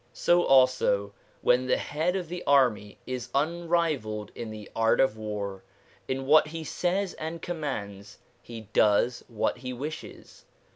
So also, when the head of the army is unrivalled in the art of war, in what he says and commands * he does what he wishes.'